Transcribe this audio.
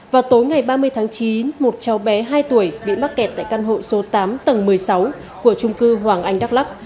vào tối ngày ba mươi tháng chín một cháu bé hai tuổi bị mắc kẹt tại căn hộ số tám tầng một mươi sáu của trung cư hoàng anh đắk lắc